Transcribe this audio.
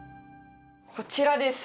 こちらです。